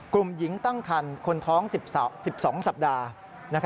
กลุ่มหญิงตั้งคันคนท้อง๑๒สัปดาห์